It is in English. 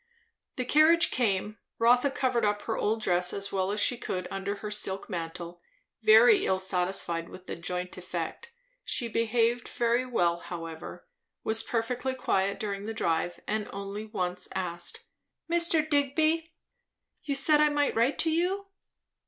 The carriage came. Rotha covered up her old dress as well as she could under her silk mantle, very ill satisfied with the joint effect, She behaved very well, however; was perfectly quiet during the drive, and only once asked, "Mr. Digby, you said I might write to you?"